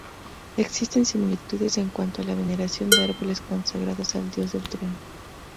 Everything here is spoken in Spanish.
Existen similitudes en cuanto a la veneración de árboles consagrados al dios del trueno.